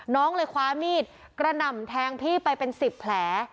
น้องเลยคว้ามีดกระหน่ำแทงพี่ไปเป็น๑๐แผล